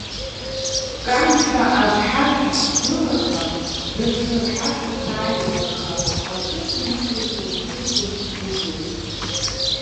Кан ҳәа аӡә ҳашә дылахан, дысрырҳашәа сааиуеит, аха уаҵәызны иҟаиҵо уздырӡом уигьы.